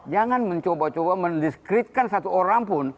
jangan mencoba coba mendiskretkan satu orang pun